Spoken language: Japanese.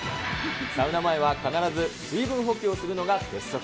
サウナ前は必ず、水分補給をするのが鉄則。